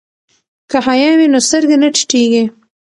که حیا وي نو سترګې نه ټیټیږي.